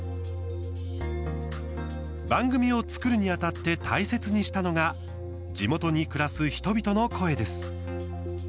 番組を作るにあたって大切にしたのが地元に暮らす人々の声です。